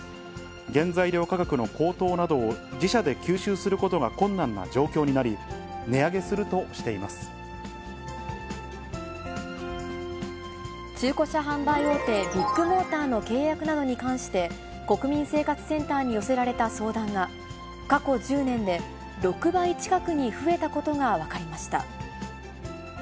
原材料価格の高騰などを自社で吸収することが困難な状況になり、中古車販売大手、ビッグモーターの契約などに関して、国民生活センターに寄せられた相談が、過去１０年で６倍近くに増えたことが分かりました。